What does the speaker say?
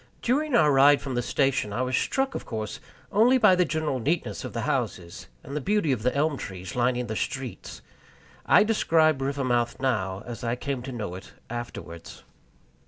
During our ride from the station, I was struck, of course, only by the general neatness of the houses and the beauty of the elm trees lining the streets. I describe Rivermouth now as I came to know it afterwards.